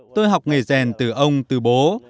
tôi học nghề rèn từ ông từ bố